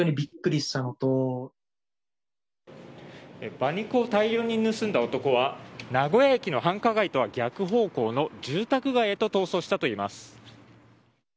馬肉を大量に盗んだ男は名古屋駅の繁華街とは逆方向の住宅街へと逃走したといいます。